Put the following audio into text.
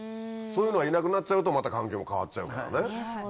そういうのがいなくなっちゃうとまた環境も変わっちゃうからね。